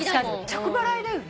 着払いだよね。